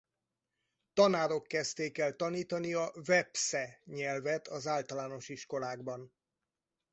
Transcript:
Tanárok kezdték el tanítani a vepsze nyelvet az általános iskolákban.